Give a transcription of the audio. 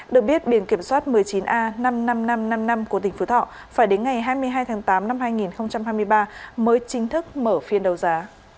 được biết biển kiểm soát một mươi chín a năm mươi năm nghìn năm trăm năm mươi năm của tỉnh phú thọ phải đến ngày hai mươi hai tháng tám năm hai nghìn hai mươi ba mới chính thức mở phiên đầu giá